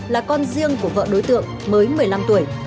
là con riêng của vợ đối tượng mới một mươi năm tuổi